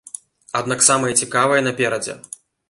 Аднак самае цікавае наперадзе.